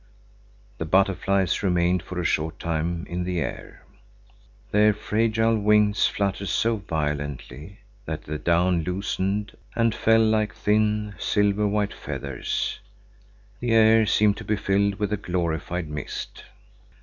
The butterflies remained for a short time in the air. Their fragile wings fluttered so violently that the down loosened and fell like thin silver white feathers. The air seemed to be filled with a glorified mist.